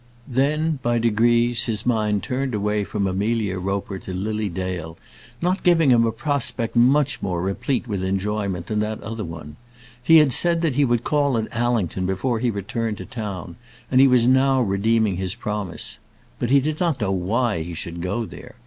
Then, by degrees, his mind turned away from Amelia Roper to Lily Dale, not giving him a prospect much more replete with enjoyment than that other one. He had said that he would call at Allington before he returned to town, and he was now redeeming his promise. But he did not know why he should go there.